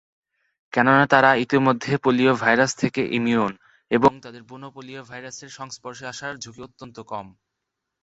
কেননা তারা ইতোমধ্যেই পোলিও ভাইরাস থেকে ইমিউন, এবং তাদের বুনো পোলিও ভাইরাসের সংস্পর্শে আসার ঝুঁকি অত্যন্ত কম।